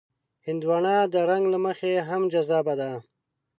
هندوانه د رنګ له مخې هم جذابه ده.